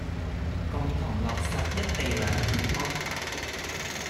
共同落實「一地兩檢」安排